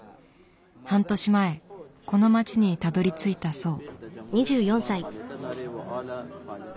半年前この街にたどりついたそう。